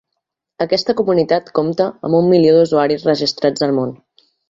Aquesta comunitat compta amb un milió d'usuaris registrats al món.